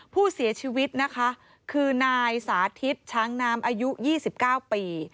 ผู้เสียชีวิตนะคะคือนายสาธิตช้างน้ำอายุ๒๙ปี